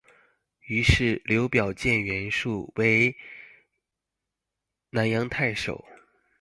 于是刘表荐袁术为南阳太守。